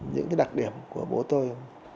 những cái đặc điểm của bố tôi